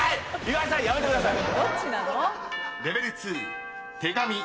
岩井さんやめてください。